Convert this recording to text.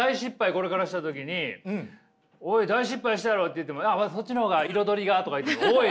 これからした時に「おい大失敗したやろ」って言っても「こっちの方が彩りが」とか言って「おい！」